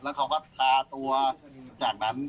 แล้วเขาก็พาตัวจากนั้น